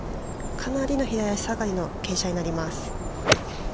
かなりの左足下がりの傾斜になります。